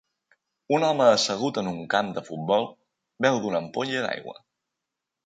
Un home assegut en un camp de futbol beu d'una ampolla d'aigua.